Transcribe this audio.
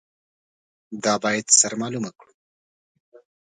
دا باید سره معلومه کړو.